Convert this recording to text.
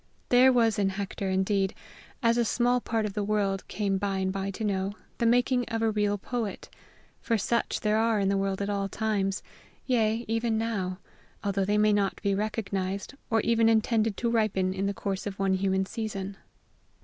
There was in Hector, indeed, as a small part of the world came by and by to know, the making of a real poet, for such there are in the world at all times yea, even now although they may not be recognized, or even intended to ripen in the course of one human season.